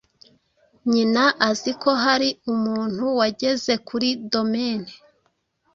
Nyina azi ko hari umuntu wageze kuri domaine